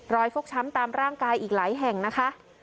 ฟกช้ำตามร่างกายอีกหลายแห่งนะคะ